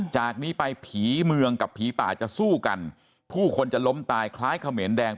จากนี้ไปผีเมืองกับผีป่าจะสู้กันผู้คนจะล้มตายคล้ายเขมรแดง